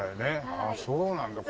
ああそうなんだこれが。